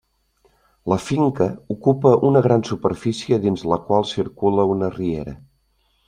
La finca ocupa una gran superfície dins la qual circula una riera.